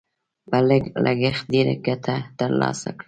په لږ لګښت ډېره ګټه تر لاسه کړئ.